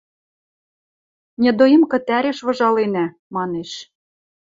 – Недоимка тӓреш выжаленӓ, – манеш.